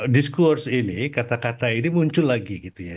diskurs ini kata kata ini muncul lagi gitu ya